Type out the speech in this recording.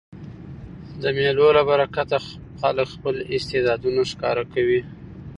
د مېلو له برکته خلک خپل استعدادونه ښکاره کوي.